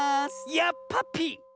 やっぱぴ！